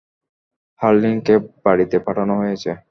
হারলিন কে বাড়িতে পাঠানো হয়েছে!